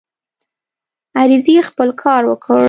عریضې خپل کار وکړ.